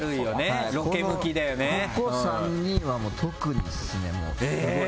この３人は特にっすね。